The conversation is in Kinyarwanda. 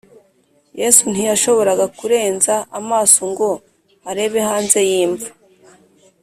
yesu ntiyashoboraga kurenza amaso ngo arebe hanze y’imva